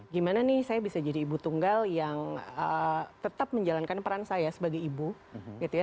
gimana nih saya bisa jadi ibu tunggal yang tetap menjalankan peran saya sebagai ibu gitu ya